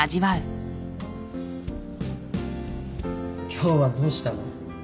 今日はどうしたの？